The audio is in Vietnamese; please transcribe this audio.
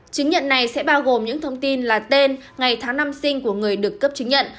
chứng nhận này sẽ bao gồm những thông tin là tên ngày tháng năm sinh của người được cấp chứng nhận